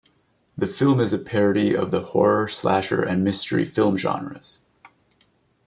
The film is a parody of the horror, slasher, and mystery film genres.